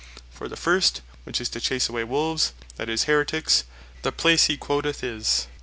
For the first, which is to chase away Wolves, that is, Haeretiques, the place hee quoteth is (Matth.